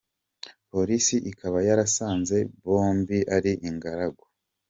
Polisi ikaba yarasanze bombi ari ingaragu.